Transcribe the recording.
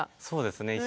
そうなんですね。